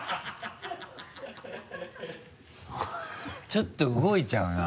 ちょっと動いちゃうな唇が。